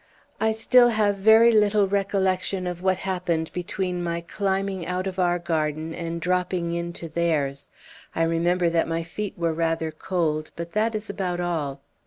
"I still have very little recollection of what happened between my climbing out of our garden and dropping into theirs. I remember that my feet were rather cold, but that is about all.